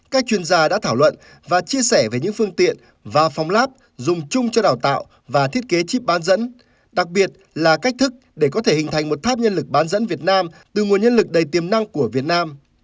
các chuyên gia đã thảo luận và chia sẻ về những phương tiện và phòng lab dùng chung cho đào tạo và thiết kế chip bán dẫn đặc biệt là cách thức để có thể hình thành một tháp nhân lực bán dẫn việt nam từ nguồn nhân lực đầy tiềm năng của việt nam